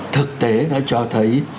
thực tế nó cho thấy